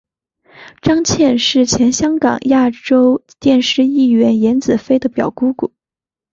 张茜是前香港亚洲电视艺员颜子菲的表姑姑。